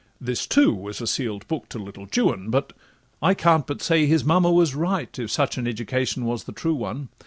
This, too, was a seal'd book to little Juan— I can't but say that his mamma was right, If such an education was the true one.